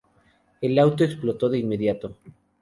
El auto explotó de inmediato.